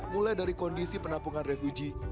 mulai dari kondisi penampungan refuji